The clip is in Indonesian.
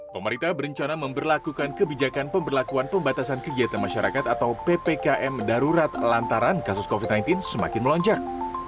pemerintah berencana memperlakukan kebijakan pemberlakuan pembatasan kegiatan masyarakat atau ppkm darurat lantaran kasus covid sembilan belas semakin melonjak